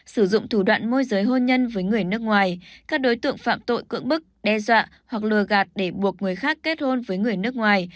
sử dụng thủ đoạn môi giới hôn nhân với người nước ngoài các đối tượng phạm tội cưỡng bức đe dọa hoặc lừa gạt để buộc người khác kết hôn với người nước ngoài